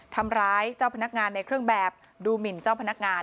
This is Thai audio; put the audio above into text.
ทำร้ายเจ้าพนักงานในเครื่องแบบดูหมินเจ้าพนักงาน